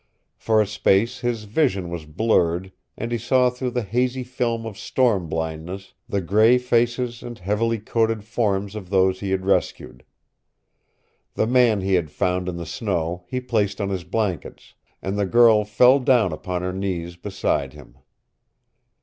For a space his vision was blurred, and he saw through the hazy film of storm blindness the gray faces and heavily coated forms of those he had rescued. The man he had found in the snow he placed on his blankets, and the girl fell down upon her knees beside him.